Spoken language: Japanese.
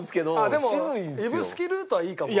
でも指宿ルートはいいかも。